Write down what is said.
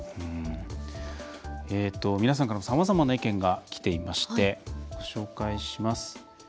皆さんからもさまざまな意見がきていましてご紹介します。